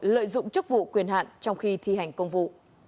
lợi dụng chức vụ quyền hạn trong khi thi hành công vụ